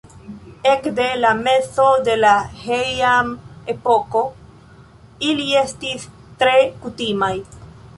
Ekde la mezo de la Heian-epoko ili estis tre kutimaj.